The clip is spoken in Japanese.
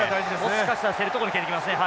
もしかしたら競るとこに蹴ってきますね。